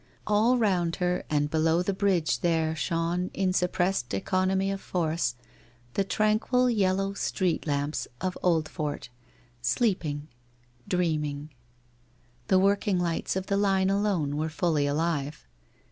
All round her and below the bridge there shone, in suppressed econ omy of force, the tranquil yellow street lamps of Old fort ... sleeping ... dreaming. The work ing lights of the line alone were fully alive.